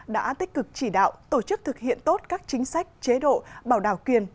đã tích cực chỉ đạo tổ chức thực hiện tốt các chính sách chế độ bảo đảo quyền